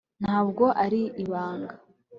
ntabwo ari ibanga